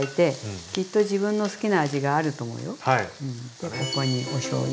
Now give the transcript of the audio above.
でここにおしょうゆ。